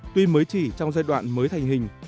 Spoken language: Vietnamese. tuy mới chỉ trong giai đoạn mới thành hình